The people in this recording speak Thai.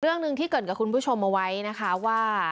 เรื่องหนึ่งที่เกิดกับคุณผู้ชมเอาไว้นะคะว่า